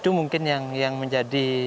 itu mungkin yang menjadi pilihan kita